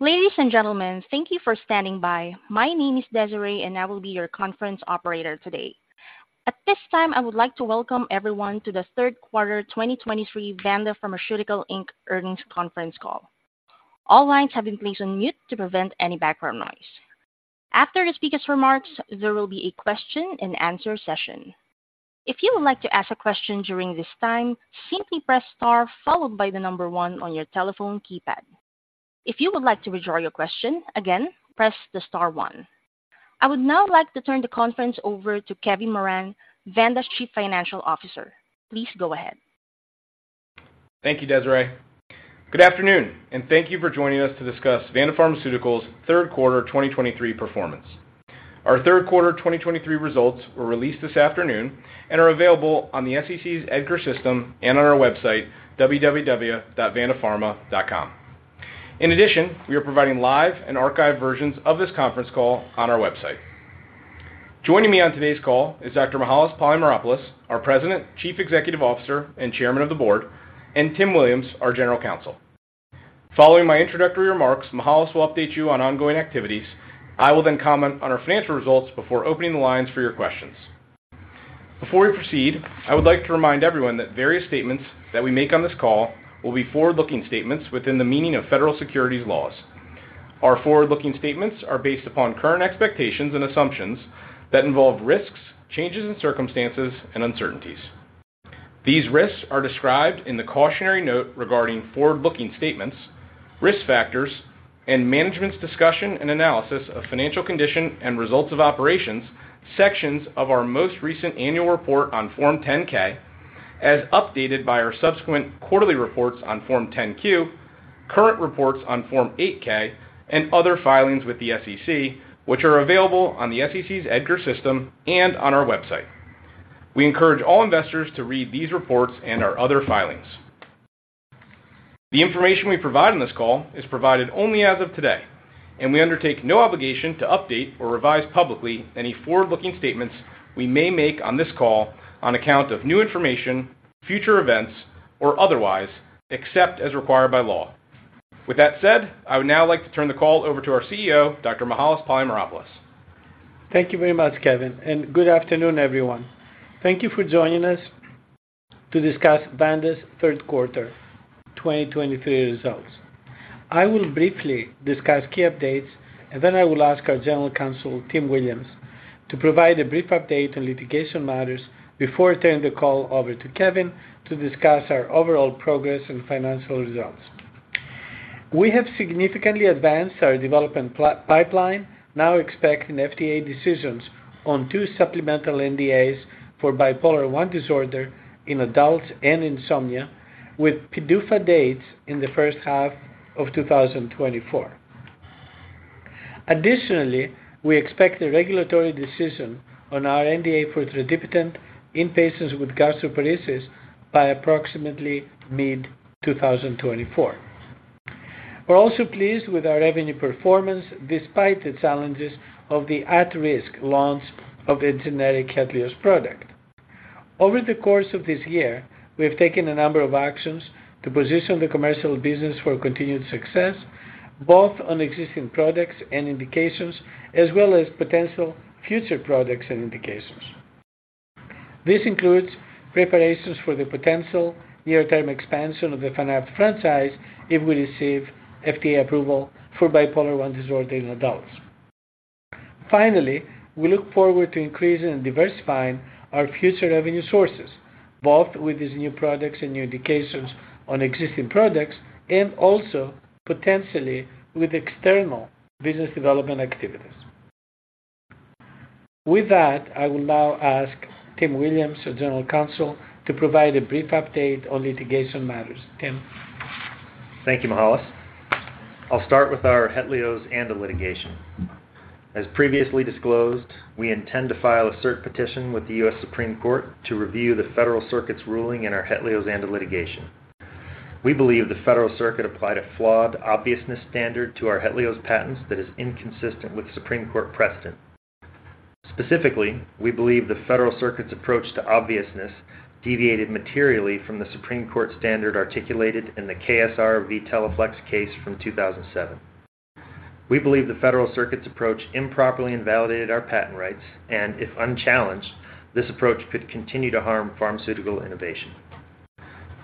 Ladies and gentlemen, thank you for standing by. My name is Desiree, and I will be your conference operator today. At this time, I would like to welcome everyone to the Q3 2023 Vanda Pharmaceuticals Inc. Earnings Conference Call. All lines have been placed on mute to prevent any background noise. After the speaker's remarks, there will be a question-and-answer session. If you would like to ask a question during this time, simply press Star followed by the number one on your telephone keypad. If you would like to withdraw your question, again, press the star one. I would now like to turn the conference over to Kevin Moran, Vanda's Chief Financial Officer. Please go ahead. Thank you, Desiree. Good afternoon, and thank you for joining us to discuss Vanda Pharmaceuticals's Q3 2023 performance. Our Q3 2023 results were released this afternoon and are available on the SEC's EDGAR system and on our website, www.vandapharma.com. In addition, we are providing live and archived versions of this conference call on our website. Joining me on today's call is Dr. Mihael Polymeropoulos, our President, Chief Executive Officer, and Chairman of the Board, and Tim Williams, our General Counsel. Following my introductory remarks, Mihael will update you on ongoing activities. I will then comment on our financial results before opening the lines for your questions. Before we proceed, I would like to remind everyone that various statements that we make on this call will be forward-looking statements within the meaning of federal securities laws. Our forward-looking statements are based upon current expectations and assumptions that involve risks, changes in circumstances, and uncertainties. These risks are described in the cautionary note regarding forward-looking statements, risk factors, and management's discussion and analysis of financial condition and results of operations, sections of our most recent annual report on Form 10-K, as updated by our subsequent quarterly reports on Form 10-Q, current reports on Form 8-K, and other filings with the SEC, which are available on the SEC's EDGAR system and on our website. We encourage all investors to read these reports and our other filings. The information we provide on this call is provided only as of today, and we undertake no obligation to update or revise publicly any forward-looking statements we may make on this call on account of new information, future events, or otherwise, except as required by law. With that said, I would now like to turn the call over to our CEO, Dr. Mihael Polymeropoulos. Thank you very much, Kevin, and good afternoon, everyone. Thank you for joining us to discuss Vanda's Q3 2023 results. I will briefly discuss key updates, and then I will ask our General Counsel, Tim Williams, to provide a brief update on litigation matters before I turn the call over to Kevin to discuss our overall progress and financial results. We have significantly advanced our development pipeline, now expecting FDA decisions on two supplemental NDAs for Bipolar I disorder in adults and insomnia, with PDUFA dates in the first half of 2024. Additionally, we expect a regulatory decision on our NDA for tradipitant in patients with gastroparesis by approximately mid-2024. We're also pleased with our revenue performance, despite the challenges of the at-risk launch of the generic HETLIOZ product. Over the course of this year, we have taken a number of actions to position the commercial business for continued success, both on existing products and indications, as well as potential future products and indications. This includes preparations for the potential near-term expansion of the FANAPT franchise if we receive FDA approval for Bipolar I disorder in adults. Finally, we look forward to increasing and diversifying our future revenue sources, both with these new products and new indications on existing products, and also potentially with external business development activities. With that, I will now ask Tim Williams, our General Counsel, to provide a brief update on litigation matters. Tim? Thank you, Mihalis. I'll start with our HETLIOZ ANDA litigation. As previously disclosed, we intend to file a cert petition with the U.S. Supreme Court to review the Federal Circuit's ruling in our HETLIOZ ANDA litigation. We believe the Federal Circuit applied a flawed obviousness standard to our HETLIOZ patents that is inconsistent with Supreme Court precedent. Specifically, we believe the Federal Circuit's approach to obviousness deviated materially from the Supreme Court standard articulated in the KSR v. Teleflex case from 2007. We believe the Federal Circuit's approach improperly invalidated our patent rights, and if unchallenged, this approach could continue to harm pharmaceutical innovation.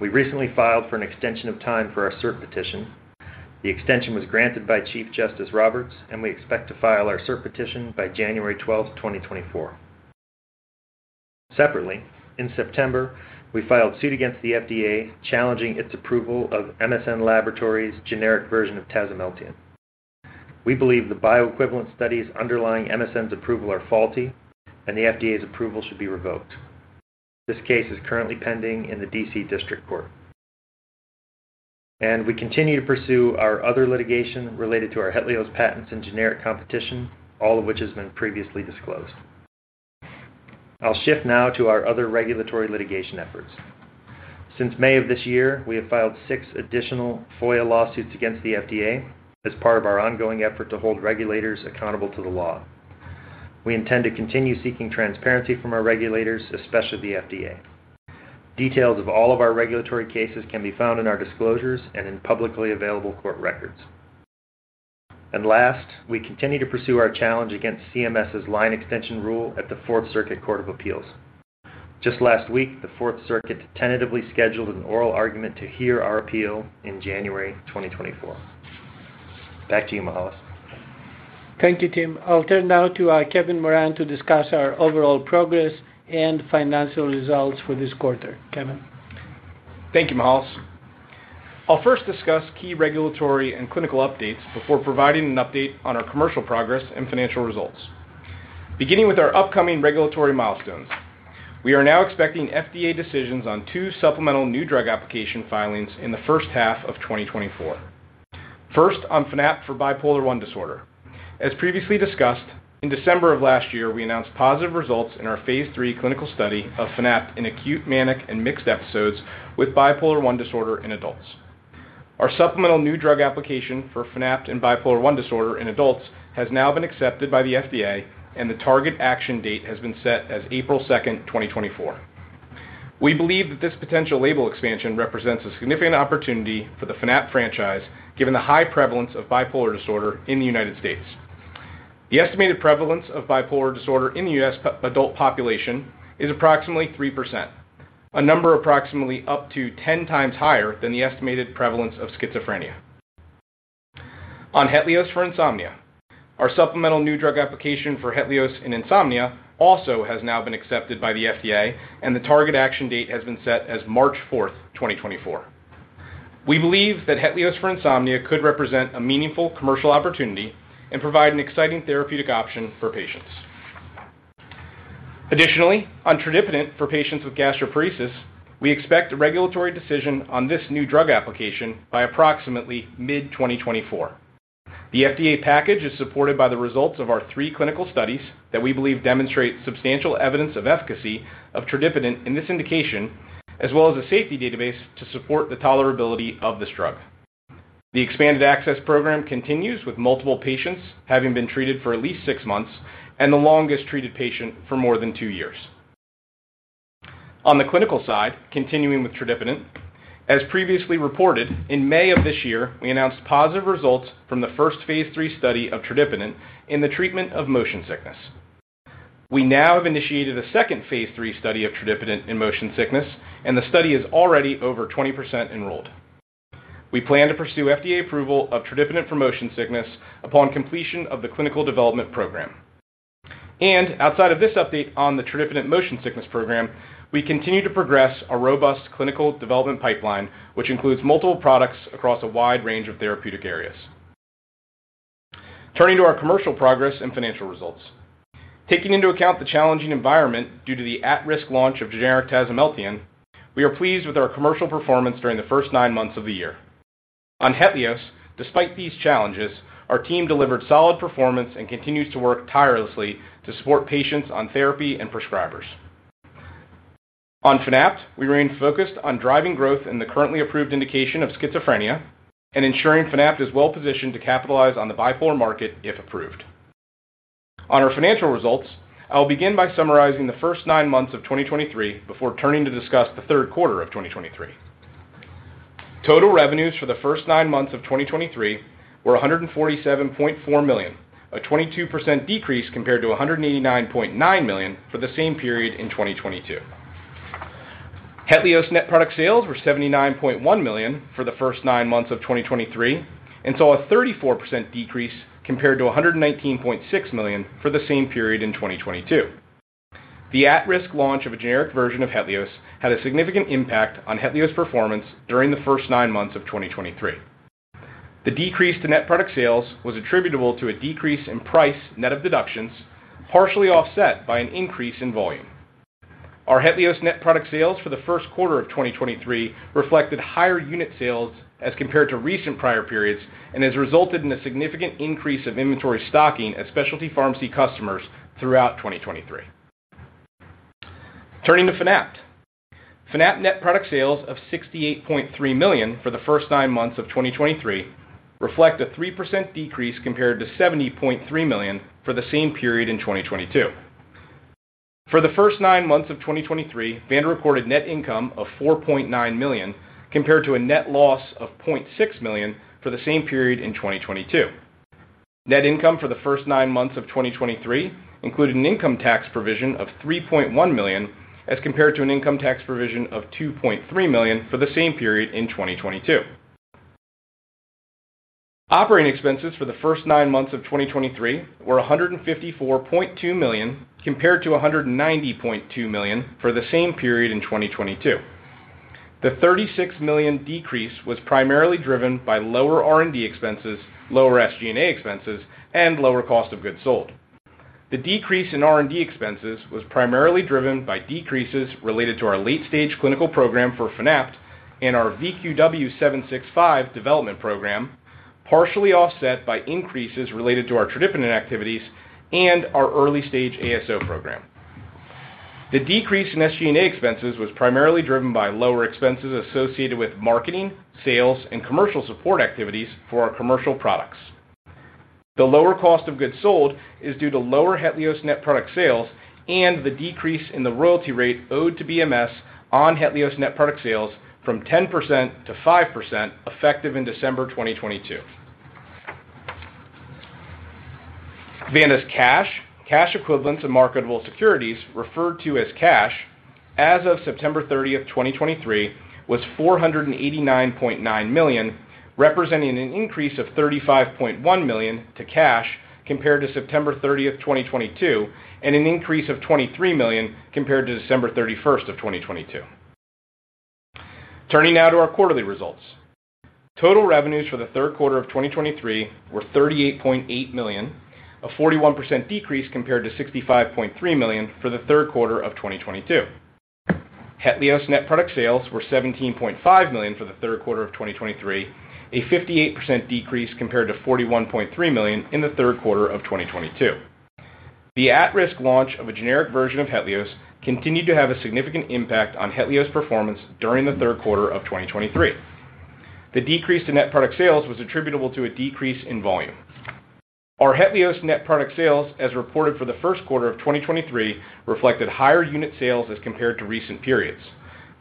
We recently filed for an extension of time for our cert petition. The extension was granted by Chief Justice Roberts, and we expect to file our cert petition by January 12, 2024. Separately, in September, we filed suit against the FDA, challenging its approval of MSN Laboratories' generic version of tasimelteon. We believe the bioequivalent studies underlying MSN's approval are faulty and the FDA's approval should be revoked. This case is currently pending in the D.C. District Court, and we continue to pursue our other litigation related to our HETLIOZ patents and generic competition, all of which has been previously disclosed. I'll shift now to our other regulatory litigation efforts. Since May of this year, we have filed six additional FOIA lawsuits against the FDA as part of our ongoing effort to hold regulators accountable to the law. We intend to continue seeking transparency from our regulators, especially the FDA. Details of all of our regulatory cases can be found in our disclosures and in publicly available court records. Last, we continue to pursue our challenge against CMS's line extension rule at the Fourth Circuit Court of Appeals. Just last week, the Fourth Circuit tentatively scheduled an oral argument to hear our appeal in January 2024. Back to you, Mihael. Thank you, Tim. I'll turn now to Kevin Moran to discuss our overall progress and financial results for this quarter. Kevin? Thank you, Mihael. I'll first discuss key regulatory and clinical updates before providing an update on our commercial progress and financial results. Beginning with our upcoming regulatory milestones, we are now expecting FDA decisions on two supplemental New Drug Application filings in the first half of 2024. First, on Fanapt for Bipolar I Disorder. As previously discussed, in December of last year, we announced positive results in our phase 3 clinical study of Fanapt in acute, manic, and mixed episodes with Bipolar I Disorder in adults. Our supplemental New Drug Application for Fanapt in Bipolar I Disorder in adults has now been accepted by the FDA, and the target action date has been set as April second, 2024. We believe that this potential label expansion represents a significant opportunity for the Fanapt franchise, given the high prevalence of bipolar disorder in the United States. The estimated prevalence of bipolar disorder in the U.S. adult population is approximately 3%, a number approximately up to 10 times higher than the estimated prevalence of schizophrenia. On HETLIOZ for insomnia. Our supplemental new drug application for HETLIOZ in insomnia also has now been accepted by the FDA, and the target action date has been set as March fourth, 2024. We believe that HETLIOZ for insomnia could represent a meaningful commercial opportunity and provide an exciting therapeutic option for patients. Additionally, on tradipitant for patients with gastroparesis, we expect a regulatory decision on this new drug application by approximately mid-2024. The FDA package is supported by the results of our 3 clinical studies that we believe demonstrate substantial evidence of efficacy of tradipitant in this indication, as well as a safety database to support the tolerability of this drug. The expanded access program continues, with multiple patients having been treated for at least six months and the longest-treated patient for more than two years. On the clinical side, continuing with tradipitant, as previously reported, in May of this year, we announced positive results from the first phase 3 study of tradipitant in the treatment of motion sickness. We now have initiated a second phase 3 study of tradipitant in motion sickness, and the study is already over 20% enrolled. We plan to pursue FDA approval of tradipitant for motion sickness upon completion of the clinical development program. Outside of this update on the tradipitant motion sickness program, we continue to progress a robust clinical development pipeline, which includes multiple products across a wide range of therapeutic areas. Turning to our commercial progress and financial results. Taking into account the challenging environment due to the at-risk launch of generic tasimelteon, we are pleased with our commercial performance during the first nine months of the year. On HETLIOZ, despite these challenges, our team delivered solid performance and continues to work tirelessly to support patients on therapy and prescribers. On Fanapt, we remain focused on driving growth in the currently approved indication of schizophrenia and ensuring Fanapt is well positioned to capitalize on the bipolar market if approved. On our financial results, I will begin by summarizing the first nine months of 2023 before turning to discuss the Q3 of 2023. Total revenues for the first nine months of 2023 were $147.4 million, a 22% decrease compared to $189.9 million for the same period in 2022. HETLIOZ net product sales were $79.1 million for the first nine months of 2023 and saw a 34% decrease compared to $119.6 million for the same period in 2022. The at-risk launch of a generic version of HETLIOZ had a significant impact on HETLIOZ performance during the first nine months of 2023. The decrease to net product sales was attributable to a decrease in price net of deductions, partially offset by an increase in volume. Our HETLIOZ net product sales for the first quarter of 2023 reflected higher unit sales as compared to recent prior periods and has resulted in a significant increase of inventory stocking at specialty pharmacy customers throughout 2023. Turning to Fanapt. Fanapt net product sales of $68.3 million for the first nine months of 2023 reflect a 3% decrease compared to $70.3 million for the same period in 2022. For the first nine months of 2023, Vanda recorded net income of $4.9 million, compared to a net loss of $0.6 million for the same period in 2022. Net income for the first nine months of 2023 included an income tax provision of $3.1 million, as compared to an income tax provision of $2.3 million for the same period in 2022. Operating expenses for the first nine months of 2023 were $154.2 million, compared to $190.2 million for the same period in 2022. The $36 million decrease was primarily driven by lower R&D expenses, lower SG&A expenses, and lower cost of goods sold. The decrease in R&D expenses was primarily driven by decreases related to our late-stage clinical program for Fanapt and our VQW765 development program, partially offset by increases related to our tradipitant activities and our early-stage ASO program. The decrease in SG&A expenses was primarily driven by lower expenses associated with marketing, sales, and commercial support activities for our commercial products.... The lower cost of goods sold is due to lower HETLIOZ net product sales and the decrease in the royalty rate owed to BMS on HETLIOZ net product sales from 10% to 5%, effective in December 2022. Vanda's cash, cash equivalents, and marketable securities, referred to as cash, as of September 30, 2023, was $489.9 million, representing an increase of $35.1 million to cash compared to September 30, 2022, and an increase of $23 million compared to December 31, 2022. Turning now to our quarterly results. Total revenues for the Q3 of 2023 were $38.8 million, a 41% decrease compared to $65.3 million for the Q3 of 2022. HETLIOZ net product sales were $17.5 million for the Q3 of 2023, a 58% decrease compared to $41.3 million in the Q3 of 2022. The at-risk launch of a generic version of HETLIOZ continued to have a significant impact on HETLIOZ performance during the Q3 of 2023. The decrease in net product sales was attributable to a decrease in volume. Our HETLIOZ net product sales, as reported for the first quarter of 2023, reflected higher unit sales as compared to recent periods.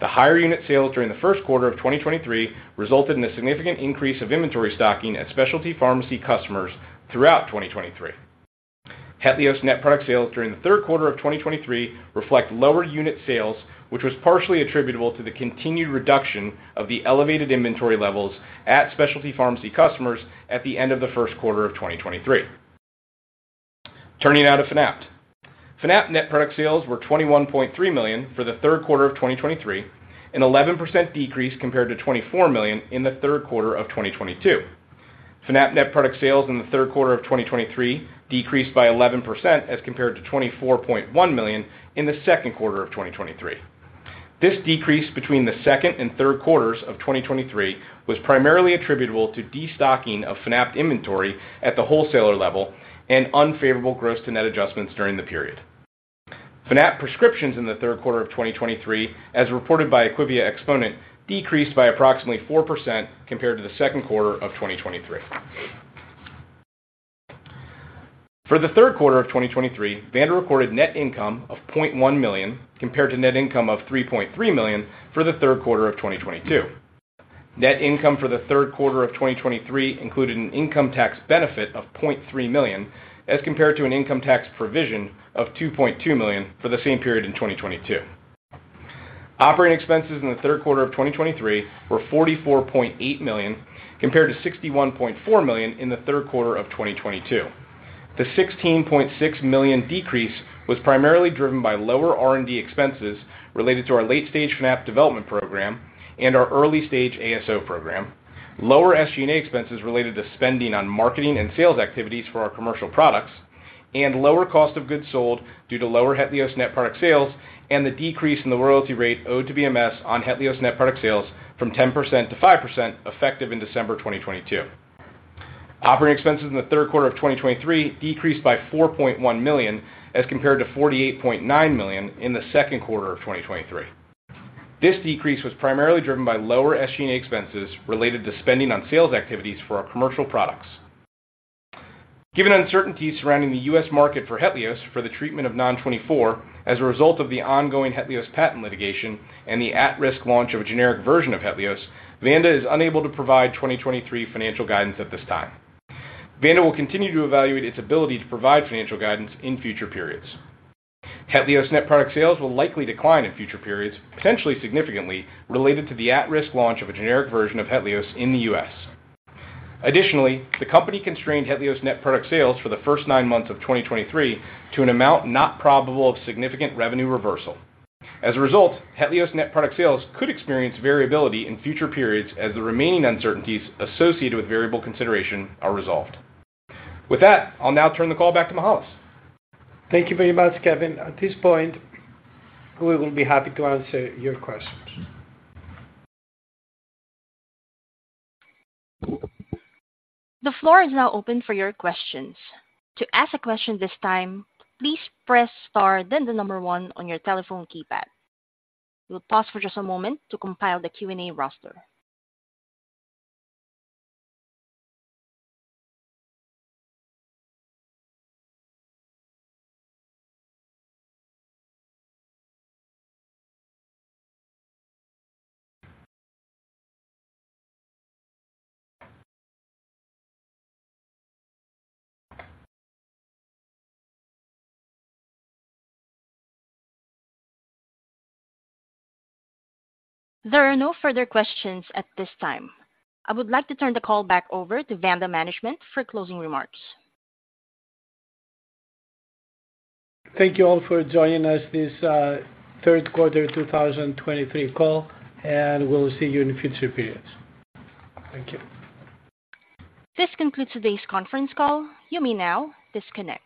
The higher unit sales during the first quarter of 2023 resulted in a significant increase of inventory stocking at specialty pharmacy customers throughout 2023. HETLIOZ net product sales during the Q3 of 2023 reflect lower unit sales, which was partially attributable to the continued reduction of the elevated inventory levels at specialty pharmacy customers at the end of the first quarter of 2023. Turning now to Fanapt. Fanapt net product sales were $21.3 million for the Q3 of 2023, an 11% decrease compared to $24 million in the Q3 of 2022. Fanapt net product sales in the Q3 of 2023 decreased by 11% as compared to $24.1 million in the second quarter of 2023. This decrease between the Q2 and Q3s of 2023 was primarily attributable to destocking of Fanapt inventory at the wholesaler level and unfavorable gross-to-net adjustments during the period. Fanapt prescriptions in the Q3 of 2023, as reported by IQVIA Xponent, decreased by approximately 4% compared to the second quarter of 2023. For the Q3 of 2023, Vanda recorded net income of $0.1 million compared to net income of $3.3 million for the Q3 of 2022. Net income for the Q3 of 2023 included an income tax benefit of $0.3 million, as compared to an income tax provision of $2.2 million for the same period in 2022. Operating expenses in the Q3 of 2023 were $44.8 million, compared to $61.4 million in the Q3 of 2022. The $16.6 million decrease was primarily driven by lower R&D expenses related to our late-stage Fanapt development program and our early-stage ASO program. Lower SG&A expenses related to spending on marketing and sales activities for our commercial products, and lower cost of goods sold due to lower HETLIOZ net product sales and the decrease in the royalty rate owed to BMS on HETLIOZ net product sales from 10% to 5%, effective in December 2022. Operating expenses in the Q3 of 2023 decreased by $4.1 million as compared to $48.9 million in the second quarter of 2023. This decrease was primarily driven by lower SG&A expenses related to spending on sales activities for our commercial products. Given uncertainties surrounding the U.S. market for HETLIOZ for the treatment of Non-24, as a result of the ongoing HETLIOZ patent litigation and the at-risk launch of a generic version of HETLIOZ, Vanda is unable to provide 2023 financial guidance at this time. Vanda will continue to evaluate its ability to provide financial guidance in future periods. HETLIOZ net product sales will likely decline in future periods, potentially significantly, related to the at-risk launch of a generic version of HETLIOZ in the U.S. Additionally, the company constrained HETLIOZ net product sales for the first nine months of 2023 to an amount not probable of significant revenue reversal. As a result, HETLIOZ net product sales could experience variability in future periods as the remaining uncertainties associated with variable consideration are resolved. With that, I'll now turn the call back to Mihael. Thank you very much, Kevin. At this point, we will be happy to answer your questions. The floor is now open for your questions. To ask a question this time, please press Star, then the number one on your telephone keypad. We'll pause for just a moment to compile the Q&A roster. There are no further questions at this time. I would like to turn the call back over to Vanda management for closing remarks. Thank you all for joining us this Q3 2023 call, and we'll see you in future periods. Thank you. This concludes today's conference call. You may now disconnect.